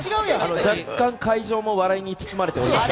若干、会場も笑いに包まれております。